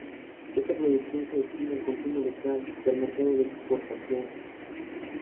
Esta producción se destina al consumo local y al mercado de exportación.